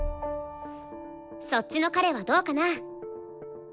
そっちの彼はどうかな？